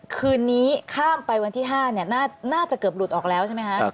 คืนนี้ข้ามไปวันที่๕น่าจะเกือบหลุดออกแล้วใช่ไหมคะ